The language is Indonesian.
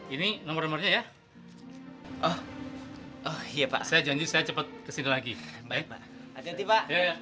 ini nomornya ya oh iya pak saya janji saya cepet kesini lagi baik baik aja tiba